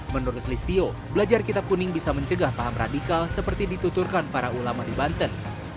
menurut listio belajar kitab kuning bisa mencegah paham radikal seperti dituturkan para ulama di banten